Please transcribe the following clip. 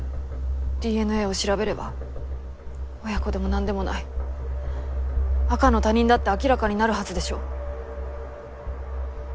ＤＮＡを調べれば親子でもなんでもない赤の他人だって明らかになるはずでしょ。